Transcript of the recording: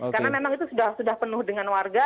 karena memang itu sudah penuh dengan warga